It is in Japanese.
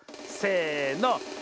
せの。